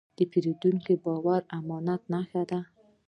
د پیرودونکي باور د امانت نښه ده.